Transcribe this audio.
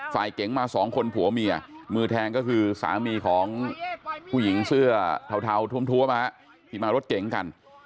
เก๋งมาสองคนผัวเมียมือแทงก็คือสามีของผู้หญิงเสื้อเทาท้วมที่มารถเก๋งกัน